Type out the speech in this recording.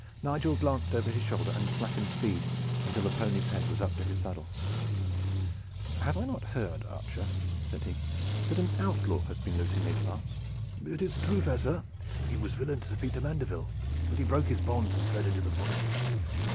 Nigel glanced over his shoulder and slackened speed until the pony's head was up to his saddle. "Have I not heard, archer," said he, "that an outlaw has been loose in these parts?" "It is true, fair sir. He was villain to Sir Peter Mandeville, but he broke his bonds and fled into the forests.